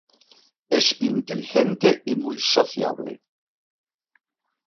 Es inteligente y muy sociable.